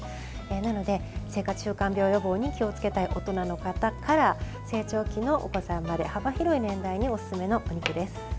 なので、生活習慣病予防に気をつけたい大人の方から成長期のお子さんまで幅広い年代におすすめのお肉です。